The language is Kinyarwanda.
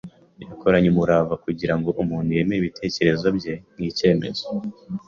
Yakoranye umurava, kugira ngo umuntu yemere ibitekerezo bye nk’icyemezo